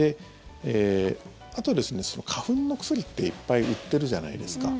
あと花粉の薬って、いっぱい売ってるじゃないですか。